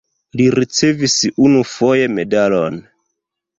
Li ricevis unufoje medalon.